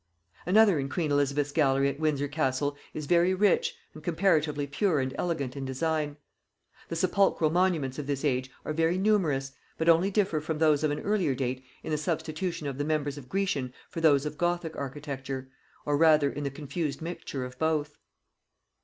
Another in queen Elizabeth's gallery at Windsor Castle is very rich, and comparatively pure and elegant in design. The sepulchral monuments of this age are very numerous, but only differ from those of an earlier date in the substitution of the members of Grecian for those of Gothic architecture, or rather in the confused mixture of both.